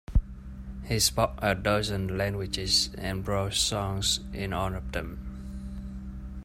He spoke a dozen languages and wrote songs in all of them.